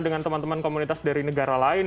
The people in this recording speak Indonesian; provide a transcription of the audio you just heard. dengan teman teman komunitas dari negara lain